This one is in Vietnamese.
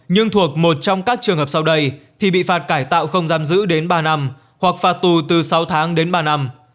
nhưng thuộc một trong các trường hợp sau đây thì bị phạt cải tạo không giam giữ đến ba năm hoặc phạt tù từ sáu tháng đến ba năm